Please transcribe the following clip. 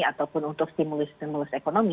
ataupun untuk stimulus stimulus ekonomi